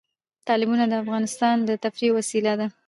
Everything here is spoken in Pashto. تالابونه د افغانانو د تفریح یوه وسیله ده.